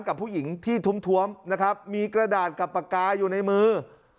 กับผู้หญิงที่ทุ่มท้วมนะครับมีกระดาษกับปากกาอยู่ในมือ